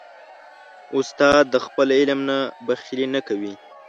استاد د خپل علم نه بخیلي نه کوي.